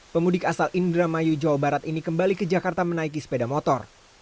pemudik asal indramayu jawa barat ini kembali ke jakarta menaiki sepeda motor